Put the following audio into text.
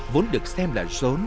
vốn được xem là rốn